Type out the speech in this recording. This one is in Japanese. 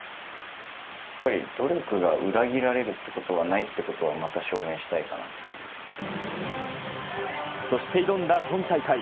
やっぱり努力が裏切られるってことはないってことをまた証明したそして挑んだ今大会。